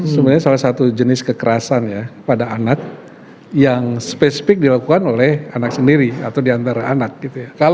sebenarnya salah satu jenis kekerasan ya pada anak yang spesifik dilakukan oleh anak sendiri atau di antara anak gitu ya